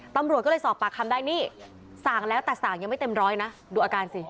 ตำรวจก็เลยสอบปากคำได้นี่สั่งแล้วแต่สั่งยังไม่เต็มร้อยนะดูอาการสิ